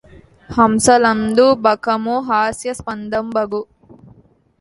హంసలందు బకము హాస్యాస్పదంబగు